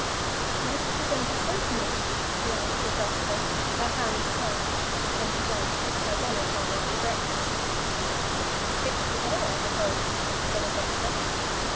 "What is he going to say to me?" she asked Augusta, with her hands clasped, when she went up to put her bonnet on after breakfast. "To fix the day, I suppose," said Augusta.